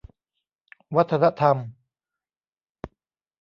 วัฒนธรรม